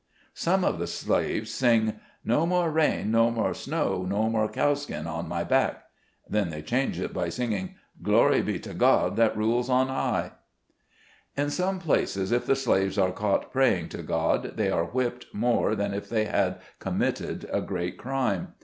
Some of the slaves sing —" No more rain, no more snow, No more cowskin on my back !" Then they change it by singing —" Glory be to God that rules on high." In some places, if the slaves are caught praying to God, they are whipped more than if they had committed a great crime.